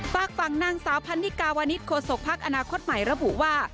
ฝากฝั่งนางสาวพันนิกาวนิดโศกพักอนาคตใหม่ระบุว่า